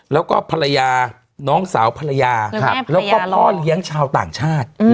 แล้วก็ภรรยาน้องสาวภรรยาแล้วก็พ่อเลี้ยงชาวต่างชาติ